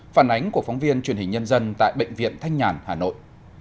phản ánh của phóng viên truyền hình nhân dân tại bệnh viện thanh nhàn hà nội